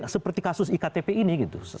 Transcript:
seperti kasus iktp ini